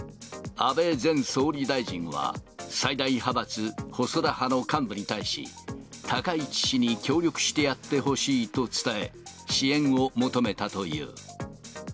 安倍前総理大臣は、最大派閥、細田派の幹部に対し、高市氏に協力してやってほしいと伝え、支援を求めたという。